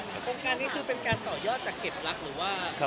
โครงการนี้คือเป็นการต่อยอดจากเก็บลักษณ์หรือว่า